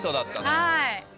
はい。